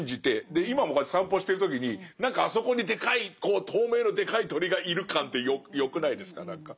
で今もこうやって散歩してる時に何かあそこにでかいこう透明のでかい鳥がいる感ってよくないですか何か。